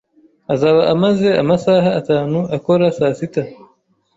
Azaba amaze amasaha atanu akora saa sita.